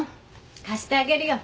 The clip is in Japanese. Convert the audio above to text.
貸してあげるよ。